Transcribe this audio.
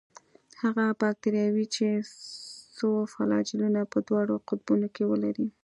هغه باکتریاوې چې څو فلاجیلونه په دواړو قطبونو کې ولري.